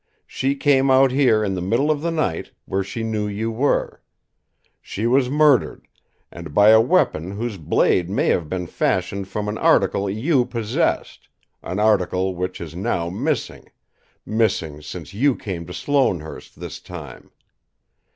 She came out here in the middle of the night, where she knew you were. She was murdered, and by a weapon whose blade may have been fashioned from an article you possessed, an article which is now missing, missing since you came to Sloanehurst this time.